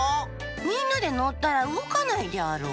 みんなでのったらうごかないであろう。